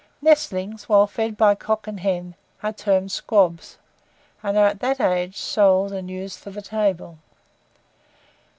Nestlings, while fed by cock and hen, are termed squabs, and are, at that age, sold and used for the table.